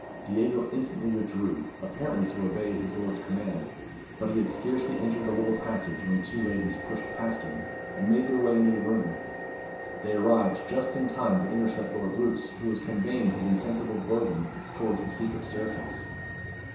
Diego instantly withdrew, apparently to obey his lord's command; but he had scarcely entered the little passage when two ladies pushed past him, and made their way into the room. They arrived just in time to intercept Lord Roos, who was conveying his insensible burthen towards the secret staircase.